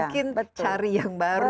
mungkin cari yang baru